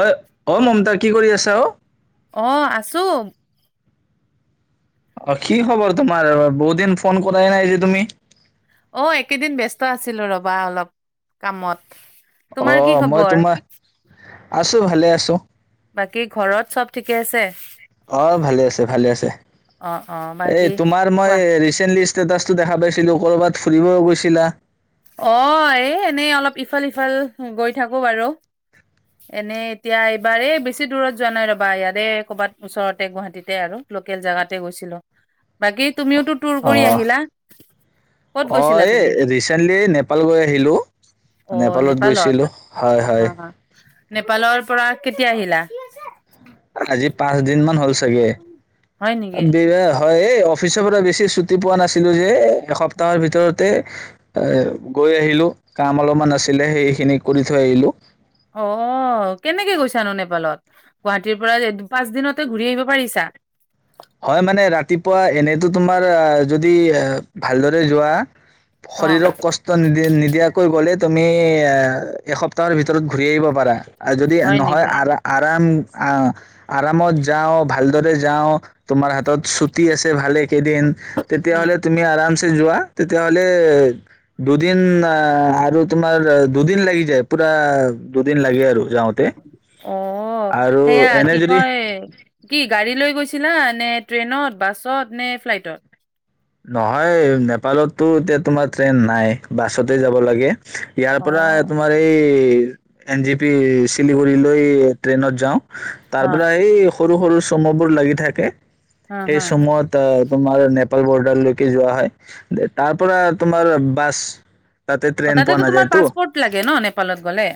ঐ অ' মমতা কি কৰি আছা অ' অ' আছো। অ', কি খবৰ তোমাৰ? বহুত দিন ফোন কৰাই নাই যে তুমি। অ', এই কেইদিন ব্যস্ত আছিলো ৰ'বা অলপ কামত। তোমাৰ কি অ' মই খবৰ? তোমাৰ আছো ভালে আছো। [unintelligible] বাকী ঘৰত চ'ব ঠিকে আছে? অ' ভালে আছে ভালে আছে অ', অ', এই বাকী তোমাৰ মই কোৱা। ৰিচেন্টলি ষ্টেটাচ্ টো দেখা পাইছিলো ক'ৰবাত ফুৰিব গৈছিলা অ' এনে ইফাল সিফাল গৈ থাকো বাৰু, এনে এতিয়া এইবাৰে বেছি দূৰত যোৱা নাই ৰ'বা ক'ৰবাত ওচৰতে গুৱাহাটীতে লোকেল জাগাতে গৈছিলোঁ। অহ, ক'ত অ', গৈছিলা এই তুমি? ৰিচেন্টলি নেপাল গৈ আহিলোঁ, নেপালত গৈছিলোঁ, হয়, হা, হয়। হা। নেপালৰ পৰা কেতিয়া আহিলা? আজি পাঁচ দিন মান হ'ল চাগে হয় নেকি? চাগে বি হয় এই [unintelligible] অফিচৰ পৰা বেছি ছুটি পোৱা নাছিলো যে এসপ্তাহৰ ভিতৰতে এ গৈ আহিলো কাম অলপমান আছিলে সেইখিনি কৰি থৈ আহিলো। অ'কেনেকে গৈছানো নেপালত গুৱাহাটীৰ পৰা পাঁচ দিনতে ঘূৰি আহিব পাৰিছা। হয় মানে ৰাতিপুৱা এনেতো তোমাৰ যদি ভালদৰে যোৱা অ শৰীৰক কষ্ট নি নিদিয়াকৈ গ'লে তুমি এসপ্তাহৰ ভিতৰত ঘূৰি আহিব পাৰা। আৰ যদি হয় নহয় নেকি আৰ আৰাম অ' আৰামত যাও ভালদৰে যাও তোমাৰ ছুটি আছে ভালেকেইদিন উম তেতিয়াহলে তুমি আৰাম চে যোৱা তেতিয়া হ'লে দুদিন আ আৰু তোমাৰ দুদিন লাগি যায় পুৰা দুদিন লাগে। যাওঁতে অ, আৰু সেয়া এনে কি যদি কয় কি গাড়ী লৈ [inaudible] চিলা নে ট্ৰেইনত, বাছত নে ফ্লাইটত। নহয় নেপালতো এতিয়া তোমাৰ ট্ৰেইন নাই বাছতে যাব লাগে। ইয়াৰ অ পৰা তোমাৰ এই ৰেল এন জি পি শিলিগুৰিলৈ ট্ৰেইনত যাওঁ। তাৰ হা পৰা এই সৰু সৰু চমুবোৰ লাগি থাকে। হা সেই হা চময়ত [unintelligible] তোমাৰ নেপাল [unintelligible] তাললৈকে যোৱা হয় তাৰ পৰা তোমাৰ বাছ। তাতে অ, ট্ৰেইন পোৱা তাতেতো তোমাৰ নাযায়তো পাছপৰ্ট লাগে ন, নেপালত গলে।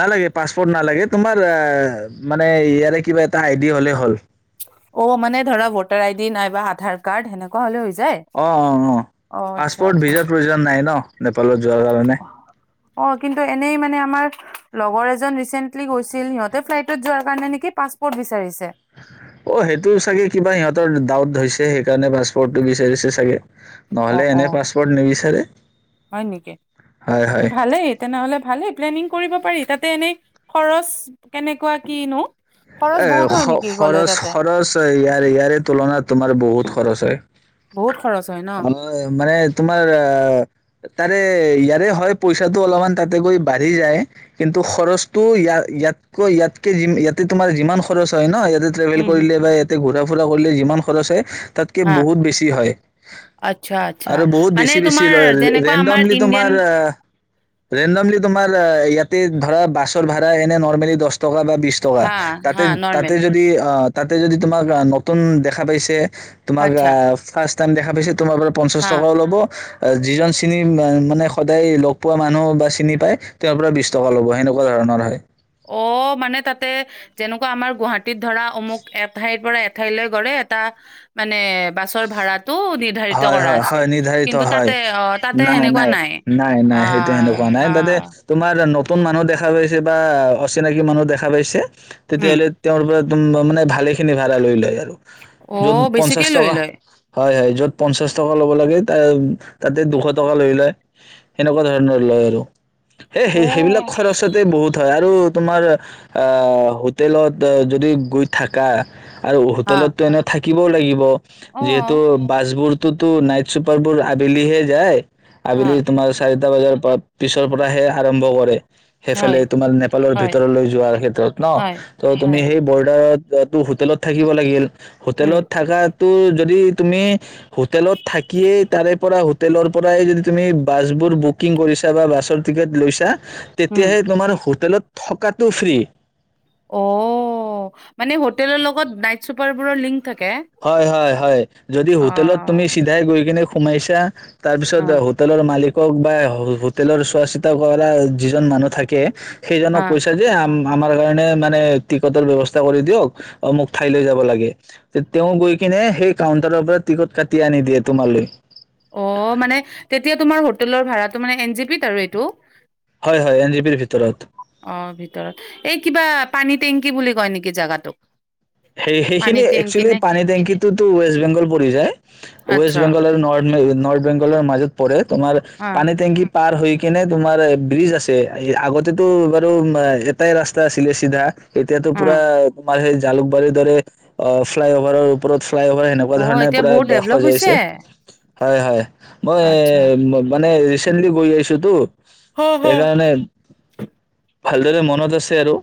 নালাগে পাছপৰ্ট নালাগে তোমাৰ মানে ইয়াৰে কিবা এটা আইডি হ'লে হ'ল। অ', মানে ধৰা ভোটাৰ আই ডি নাইবা আধাৰ কাৰ্ড সেনেকোৱা হ অ' অ' অ' পাছপোৰ্ট আচ্ছা ভিজাৰ প্ৰয়োজন নাই ন। নেপালত যোৱাৰ কাৰণে অ' কিন্তু এনেই মানে আমাৰ লগৰ এজন ৰিচেণ্টলি গৈছিল সিহঁতে ফ্লাইটত যোৱাৰ কাৰণে নেকি পাছপৰ্ট বিচাৰিছে। অ' সেইটো চাগে কিবা সিহঁতৰ ডাউট হৈছে সেইকাৰণে পাছপোৰ্টটো বিচাৰিছে চাগে। অ নহলে অ এনে পাছপৰ্ট নিবিচাৰে। হয় নেকি হয় হয় ভালেই তেনেহলে ভালেই। প্লেনিং কৰিব পাৰি, তাতে এনেই খৰচ কেনেকুৱা কিনো। খৰচ এ বহুত হয় খ নেকি গ'লে খৰচ তাতে খৰচ ইয়াৰে ইয়াৰে তুলনাত তোমাৰ বহুত খৰচ হয়। বহুত খৰচ হয় ন [unintelligible] মানে তোমাৰ আ তাৰে ইয়াৰে হয়, পইছাতো অলপ মান তাতেগৈ বাঢ়ি যায় কিন্তু খৰচতো ইয়াতকৈ ইয়াতকে [unintelligible] তোমাৰ যিমান খৰছ হয় ন, [inaudible] ট্ৰেভেল উম হম কৰিলে বা এতে [unintelligible] তাতকৈ হা বহুত বেছি হয় আচ্ছা আচ্ছা আৰু বহুত মানে বেছি বেছি তোমাৰ লয় যেনেকুৱা আমাৰ ৰেন্দমলি ইণ্ডিয়ান তোমাৰ ৰেন্দমলি তোমাৰ ইয়াতে ধৰা‌ বাছৰ ভাৰা এনে নৰমেলি দহ টকা বা বিছ হা হা তাতেই নৰ্মেল তাতেই যদি তাতেই যদি তোমাক নতুন দেখাপাইছে তোমাক‌ আচ্ছা অ ফাৰ্ষ্ট টাইম দেখা পাইছিল তোমাৰ পৰা পঞ্চাশ হা টকাও ল'ব যিজন মান মানে সদায় লগ পোৱা মানুহ বা চিনি পায় তেওঁৰ পৰা বিশ টকা ল'ব হেনেকুৱা ধৰণৰ হয়। অ' মানে তাতে যেনেকুৱা আমাৰ গুৱাহাটী গুৱাহাটীত ধৰা অমোক এঠাইৰ পৰা এঠাই, এঠাইলৈ গ'লে এটা মানে বাছৰ ভাড়াটো নিধাৰিত হয় কৰা হয় আছে হয় নিৰ্ধাৰিত কিন্তু হয় তাতে অ তাতে হেনেকুৱা নাই নাই সেইটো অ' সেনেকুৱা নাই তাতে অ' তোমাৰ নতুন মানুহ দেখা পাইছে বা অচিনাকি মানুহ দেখা পাইছে তেতিয়া উম হ'লে তেওঁৰ পৰা, [inaudible] ভালেখিনি ভাড়া লই লয়। আৰু য'ত অ' বেছি কে পঞ্চাশ লৈ টকা লয়। হয় হয় পঞ্চাশ টকা ল'ব লাগে তা তাতে দুশ টকা লই লয়। হেনেকুৱা ধৰণৰ লয় আৰু। এ হে হে হে বিলাক অ', খৰচতে বহুত হয় আৰু আৰু তোমাৰ আ হোটেল যদি গৈ থাকা আৰু হা। হোটেলটো এনে থাকি, থাকিব লাগিব। যিহেতু অ'। বাছবোৰ টোতো নাইট চোপাৰবোৰটো আবেলি হে যায়। হা, আবেলি তোমাৰ চাৰিটা বজাৰ পৰা পিছৰ পৰা হে আৰম্ভ কৰে। হেফালে হয়, তোমাৰ নেপালৰ হয়, ভিতৰলৈ যোৱাৰ ক্ষেত্ৰত ন? হয়, তৌ তুমি হয়, সেই ব'ৰডাৰত টো হোটেলত থাকিব লাগিল। উম, হোটেলত থাকা তোৰ যদি তুমি হোটেলত থাকিয়েই তাৰে পৰা হোটেলৰ পৰাই যদি তুমি বাছবোৰ বুকিং কৰিছা বা বাছৰ টিকট লৈছা। তেতিয়া উম। হে তোমাৰ হোটেলত থকাতো ফ্ৰী। অ', মানে হোটেলৰ লগত নাইট চোপাৰবোৰৰ লিংক থাক হয়‌, হয়, হয় যদি হোটেলত তুমি অ', চিধাই গৈ কেনে সোমাইছা। তাৰ পিছত হা, হোটেলৰ মালিক কক বা হোটেলৰ চোৱা চিতা কৰা যিজন মানুহ থাকি [unintelligible] সেইজনক হা। কৈছে যে, আম আমাৰ কাৰণে মানে টিকটৰ ব্যৱস্থা কৰি দিয়ক অমোক ঠাইলৈ যাব লাগে। তেওঁ গৈ কিনে সেই কাউণ্টাৰৰ পৰা টিকট কাটি আনি দিয়ে তোমালৈ। লৰ ভাড়াটো মান এ জি পিত আৰু এইটো হয় হয় এন জি পিৰ ভিতৰত অ', ভিতৰত এই কিবা পানী টেংকি বুলি কয় নেকি জেগাটোক? সেই-সেইখিনি, একচুৱেলি পানী টেংকীটোতো ৱেষ্ট বেংগল পৰি যায়। ৱেষ্ট আচ্ছা, বেংগল আৰু নৰ্ নৰ্থ বেংগলৰ মাজত পৰে তোমাৰ অ', পানী টেংকি পাৰ হৈ কিনে তোমাৰ ব্ৰিজ আছে। আগতেতো বাৰু এটাই ৰাস্তা আছিলে, চিধা এতিয়াতো অ', পুৰা, তোমাৰ সেই জালুক বাৰীৰ দৰে। আ, ফ্লাই অভাৰৰ ওপৰত ফ্লাই অভাৰ এনেকুৱা অ', ধৰণে এতিয়া পুৰা বহুত ডেভলপ হৈছে? সজাইছে হয়, হয়। মই আচ্ছা। এই, মানে, ৰিচেণ্টলী গৈ আহিছোঁ তো, হা, হা। সেইকাৰণে ভালদৰে মনত আছে আৰু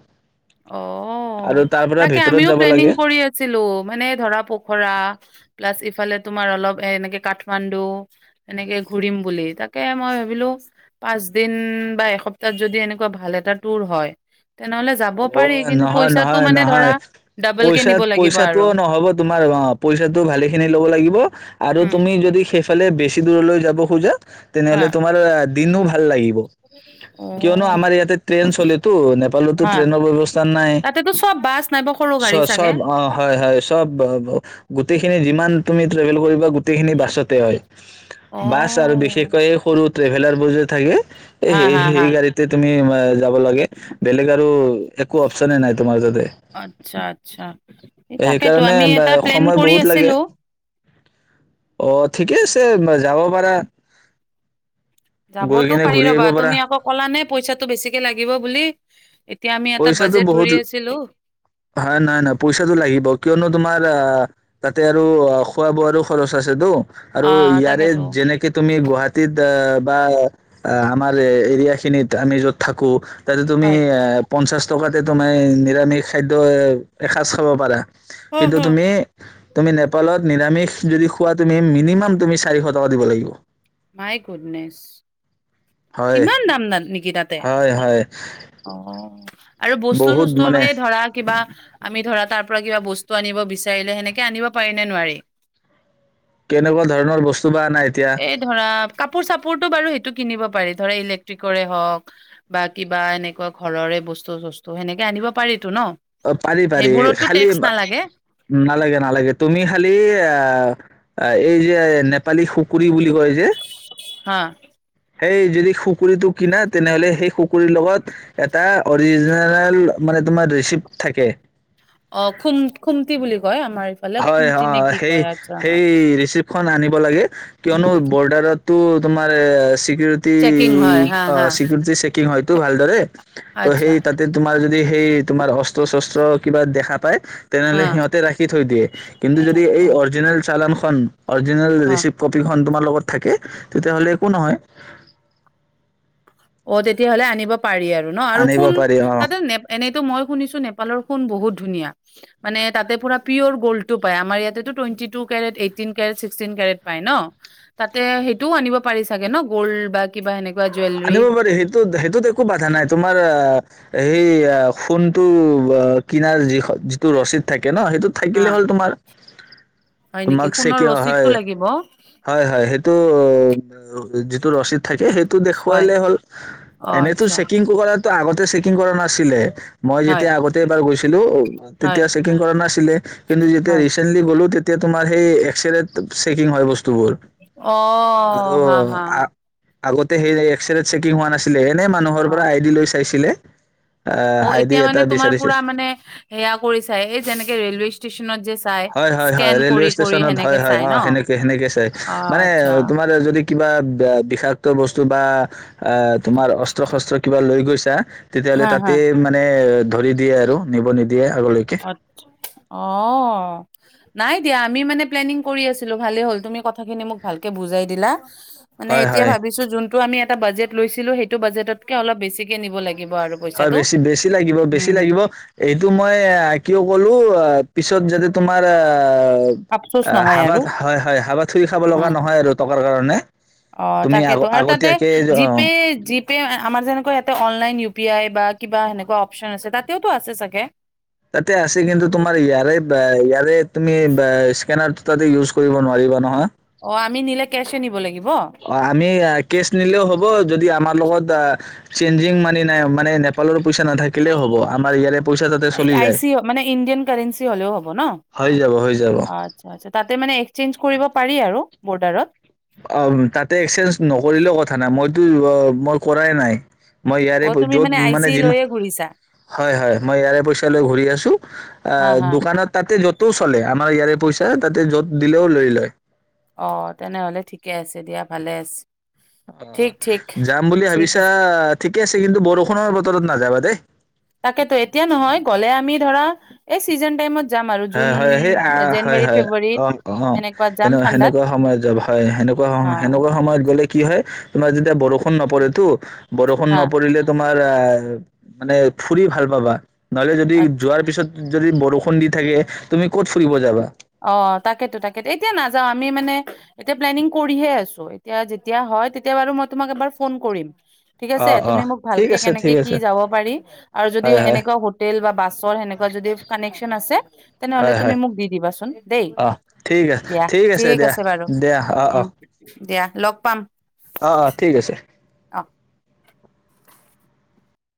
অ', আৰু তাৰ পৰা তাকে ভিতৰত আমিও যাব প্লেনিং লাগে কৰি আছিলোঁ। মানে, ধৰা পখৰা প্লাছ এইফালে তোমাৰ অলপ এনেকে কাঠমাণ্ডু, এনেকে ঘূৰিম বুলি। তাকে মই ভাবিলোঁ, পাঁচ দিন বা এসপ্তাহ যদি এনেকুৱা ভাল এটা ট্যুৰ হয়, তেনেহ'লে যাব পাৰি অ', কিন্তু নহয়, পইচাটো নহয়, মানে ধৰা নহয়। ডাবল কে নিব লাগিব পইচা-পইচাটো আৰু ন'হব তোমাৰ। অ', পইছাটো ভালেইখিনি ল'ব লাগিব। আৰু উম, তুমি যদি সেইফ ফালে বেছি দূৰলৈ যাব খোজা হা তেনেহ'লে তোমাৰ আ। দিনো ভাল। ভাল লাগিব কিয়নো অ', আমাৰ ইয়াতে ট্ৰেইন চলেটো নেপালৰ টো। হা ট্ৰেইনৰ ব্যৱস্থা নাই তাতেতো চব বাছ নাইবা সৰু গাড়ী চাগে চ-চব হয় হয় চব অ হয় চব ব‌ব গোটেইখিনি যিমান। তুমি ট্ৰেভেল কৰিবা গোটেইখিনি বাছতে হয়। বাছ আৰু অ', বিশেষকৈ সৰু। ট্ৰেভেলাৰ বোৰ যে থাকে। হা, সেই হা, হা, হেই গাড়ীতে তুমি। যাব লাগে বেলেগত অ' একো আপচনেই নাই তোমাৰ তাতে আচ্ছা, আচ্ছা এই তাকেতো এইকাৰণে আমি এটা প্লেন সময় কৰি বহুত লাগে। আছিলো অ' থিকে আছে ম যাব। পাৰা। গৈ যাবতো কেনে পাৰি ঘূৰি আহিব ৰৱা পাৰা তুমি আকৌ কলানে পইছাটো বেছিকে‌ লাগিব বুলি। এতিয়া আমি এটা পইছাটো বাজেট বহুত ধৰি আছিলো হয় নাই নাই পইছাটো লাগিব কিয়নো তোমাৰ অ' তাতে আৰু খোৱা বোৱাৰো খৰছ আছে তু আৰু অ' ইয়াৰে তাকেতো যেনেকে তুমি গুৱাহাটীত অ'- বা আমাৰে এৰিয়া খিনিত আমি যত থাকো। তাতে তুমি হয়। এ পঞ্চাশ টকাতে তুমি নিৰামিষ খাদ্য এ এসাঁজ খাব পাৰা হয় কিন্তু হয়। তুমি তুমি নেপালত নিৰামিষ যদি খোৱা। তুমি মিনিমাম তুমি চাৰিখ টকা দিব লাগিব। মাই গূদনেছ, হয় ইমান দাম তাত নেকি তাতে, হয় হয় অহ আৰু বস্তু‌ বহুত থস্তু মানে এই ধৰা কিবা, আমি ধৰা তাৰপৰা কিবা বস্তু আনিব বিছাৰিলে সেনেকে আনিব পাৰি নে নোৱাৰি। কেনেবা ধৰণৰ বস্তু বা আনে এতিয়া, তু বাৰু সেইটো কিনিব পাৰি ধৰা ইলেকট্ৰিকৰে হওক বা কিবা এনে, ক ঘৰৰে বস্তু থস্তু সেনেকে আনিব পাৰি অ পাৰি পাৰি খালি নালাগে নালাগে নালাগে তুমি খালি অ অ' এই যে নেপালী খুকৰী বুলি কয় যে, অ সেই যদি খুকৰীটো কিনা তেনেহলে সেই খুকৰীৰ লগত, এটা অৰিজিনেল মানে, তোমাৰ দুইচিপ থাকে অ' খুম খুমতি বুলি কয়। আমাৰ ইফালে হয় খুমটি নে হয় কি সেই কয় আচ্ছা হা, সেই ৰিচিপ্ত, খন আনিব লাগে। কিয়নো বৰ্ডাৰত, তু তোমাৰ চি ছিকিউৰিটি চেকিং হয় হা অ হা ছিকিউৰিটী চেকিংটো হয়তো ভালদৰে টো আচ্ছা সেই তাতে তোমাৰ, [inaudible] অস্ত্ৰ সস্ত্ৰ কিবা দেখা পায়, হা তেনেহলে সিহতে ৰাখি থয়। দিয়ে। কিন্তু, যদি অ অৰিজিনেল, [inaudible] অৰিজিনেল অ ৰিছিপ্ত কপি খন, তোমাৰ লগত থাকে, তেতিয়া হলে একো নহয়। অ' তেতিয়া হলে আনিব পাৰি। নোৱাৰি আৰু ন? আৰু আনিব কোন? পাৰি অ তাতে এনে, টো মই শুনিছোঁ, নেপালৰ সোণ বহুত ধুনীয়া? মানে তাতে পোৰা পিয়ৰ গল্ড টো পায়। আমাৰ ইয়াতে twenty two carat, eighteen carat, sixteen carat পায় ন? তাতে! সেইটো আনিব পাৰিছা চাগে ন? গিল্ড বা কিবা এনেকুৱা, জুয়েলেৰী, আনিব পাৰি সেইটোত আকো বাধা নাই তোমাৰ। হে! হেই! ফোনটো বা! কিনা যিটো ৰচিদ থাকে, কেনো, সেইটো হা থাকিলে হ'ল তোমাৰ হয় নেকি তোমাক সোণৰ [unintelligible] হয়, ৰচিদটো লাগিব হয়, হেইটো যিটো ৰচিদ থাকে, সেইট টো হয় দেখুৱালে হ'ল, অ এনে টো আচ্ছা চেকিং [unintelligible] [unintelligible] ছেকিং কৰা নাছিলে, মই হয় যেতিয়া আগতে এবাৰ গৈছিলো, হয় তেতিয়া ছেকিং কৰা নাছিলে। কিন্তু হয় ৰিছেণ্টলী গ'লো তেতি এতিয়া তোমাৰ সেই এক্সত চেকিং হয়, বস্তু অ', হা, হা আ [unintelligible] সেই, এক্সৰেত ছেকিং হোৱা নাছিলে। এনে মানুহৰ অ', পৰা আই ডি লৈ চাইছিলে। আহ অ', আইডি এতিয়া এটা মানে তোমাৰ বিচাৰিছে পোৰা মানে হেয়া কৰিছাঁ। এই যে, ৰেলৱে ষ্টেচনত যে চাই হয়, হয়, হয় স্কেন ৰেলৱে কৰি কৰি ষ্টেচনত হয়, সেনেকে হয় চাই ন? অ', হেনেকে, হেনেকে চাই, মানে আচ্ছা তোমাৰ যদি কিবা, ব্যা বিষাক্ত বস্তু বা এ তোমাৰ অস্ত্ৰ শস্ত্ৰ কিবা লৈ গৈছা, তেতিয়াহ'লে হা হা তাতে মানে ধৰি দিয়ে আৰু, নিব নিদিয়ে। আগলৈকে অ' নাই দিয়া। আমি মানে প্লেনিং কৰি আছিলো, ভালে হল তুমি কথা খিনি মোক ভালকে বুজাই দিলা। মানে হয় এতিয়া হয় ভাবিছোঁ, যোনটো আমি এটা! এটা বাজেট লৈছিলোঁ, সেইটো বাজেটতকৈ অলপ বেছি কৈ নিব লাগিব। আৰু হয় পইচাটো। বেছি বেছি লাগিব বেছি উম, লাগিব এইটো মই কিয় কলো পিছত যাতে তোমাৰ আ আফচোচ অ' নহয় হাবা আৰু হয়, হয় হাবাথুৰি খাব লগা অ'। নহয় আৰু টক [unintelligible] অ' তাকে তো আৰু তাতে জি অ পে জি পে আমাৰ যেনেকৈ অনলাইন উ পি আই, বা কিবা সেনেকুৱা অপচন আছে তাতেও তো আছে চাগে, তাতে আছে কিন্তু তোমাৰ ইয়াৰে বা ইয়াৰে তুমি ইছকেনাৰতো তাতে ইওছ কৰিব নোৱাৰিবা নহয়। অ' আমি নিলে কেছ এ নিব লাগিব। অ' আমি কেছ নিলেও হ'ব। হ'ব যদি আমাৰ লগত আ চেনঞ্জিঙ মানি নাই মানে নেপালৰ, পইচা নাথাকিলেও হ'ব আমাৰ ইয়াৰে পইচা তাতে চলি যায় আচিও মানে ইণ্ডিয়ান কাৰেন্সি হ'লেও হ'ব ন হৈ যাব হৈ যাব আচ্ছা আচ্ছা তাতে মানে চেন্স কৰিব পাৰি আৰু বডাৰত, তাতে চেন্স নকৰিলেও কথা নাই মইতো অ কৰাই নাই, মই ইয়াৰে অ তুমি য'ত মানে আই চি যিমান লৈয়ে ঘূৰিছা হয় হয় মই ইয়াৰে পইচা লৈ ঘূৰি আছোঁ হা আহ হা দোকানত তাতেও নোটৰ চলে আমাৰ ইয়াৰে পইচা তাতে য'ত দিলেও লৈ লয়। অ' তেনেহলে থিকে আছে দিয়া ভালে আছে। ঠিক ঠিক যাম বুলি ঠিক ভাবিছা আছে থিকে আছে কিন্তু বৰষুণৰ বতৰত, যাবা দে তাকেতো এতিয়া নহয় গ'লে আমি ধৰা এই ছিজন তাইমত, হয় হয় সেই আ হয় হয় ফেব্ৰুৱাৰীত অ অ এনেকুৱাত যাম ঠাণ্ডাত সেনেকুৱা সময়ত যাবা হয় সেনেকুৱা অ সময়ত গ'লে কি হয় তোমাৰ যেতিয়া বৰষুণ নপৰেতো বৰষুণ হা নপৰিলে তোমাৰ আ মানে, ফুৰি ভাল পাবা, নহ'লে যদি আচ্ছা যোৱাৰ পিছত, যদি বৰষুণ দিব, [unintelligible] অ' তাকেতো‌ তাকেতো এতিয়া নাযাওঁ। আমি মানে এতিয়া পেলেনিং কৰিহে আছো। থিক আছে অ', তুমি অ', মোক ঠিক ভালকে আছে, কেনেকে ঠিক কি আছে, যাব পাৰি আৰু যদিও হয়, হয়, এনেকুৱা হোটেল বা বাছৰ সেনেকুৱা যদি কানেকচন আছে। নহ'লে হয়, তুমি হয়, মোক দি দিবাচোন দে অ'। ঠিক আছে, দিয়া ঠিক থিক দিয়া, আছে বাৰু দিয়া, অ', উম! অ', দিয়া লগ পাম। অ' অ' থিক আছে। অ'